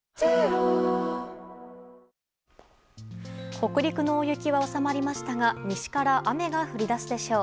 北陸の大雪は収まりましたが西から雨が降り出すでしょう。